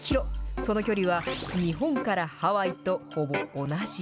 その距離は日本からハワイとほぼ同じ。